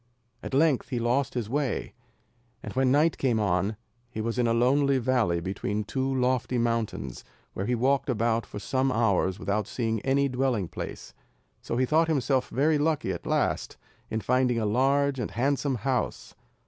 At length he lost his way, and when night came on he was in a lonely valley between two lofty mountains, where he walked about for some hours without seeing any dwelling place, so he thought himself very lucky at last, in finding a large and handsome house.